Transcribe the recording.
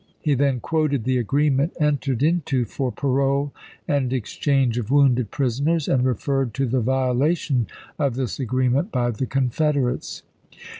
He then quoted the agreement entered into for parole and exchange of wounded prisoners, and referred to the violation of this agreement by the Confederates.